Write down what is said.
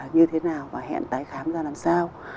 như thế nào và hẹn tái khám ra làm sao